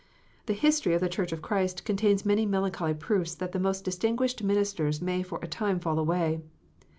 The history of the Church of Christ contains many melancholy proofs that the most distinguished ministers may for a time fall away.